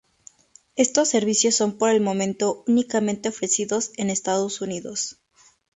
Estos servicios son por el momento únicamente ofrecidos en Estados Unidos.